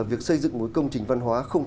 việc xây dựng một công trình văn hóa